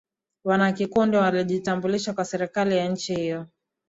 wanakikundi walijitambulisha kwa serikali ya nchini hiyo